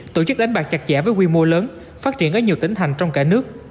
tổ chức đánh bạc chặt chẽ với quy mô lớn phát triển ở nhiều tỉnh thành trong cả nước